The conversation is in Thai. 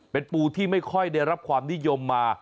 เป็นปูที่ไม่ค่อยได้รับความนิยมมา